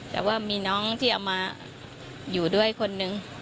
แต่ว่ามีน้องที่เอามาอยู่ด้วยคนนึง